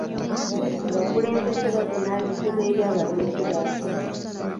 Abakulembeze bavunaanyizibwa eri abaloonzi baabwe .